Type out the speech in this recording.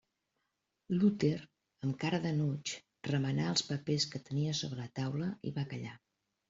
Luter, amb cara d'enuig, remenà els papers que tenia sobre la taula i va callar.